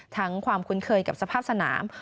ทั้งความคุ้นเคยกับสภาพสนาม